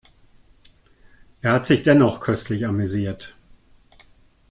Er hat sich dennoch köstlich amüsiert.